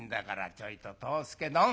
ちょいと藤助どん。